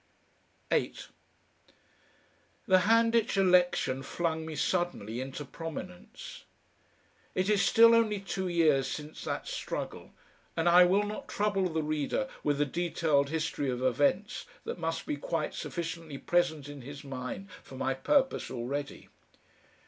8 The Handitch election flung me suddenly into prominence. It is still only two years since that struggle, and I will not trouble the reader with a detailed history of events that must be quite sufficiently present in his mind for my purpose already.